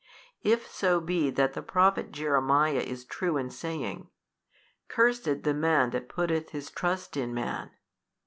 if so be that the Prophet Jeremiah is true in saying, Cursed the man that putteth his trust in man.